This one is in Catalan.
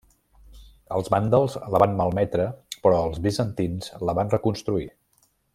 Els vàndals la van malmetre però els bizantins la van reconstruir.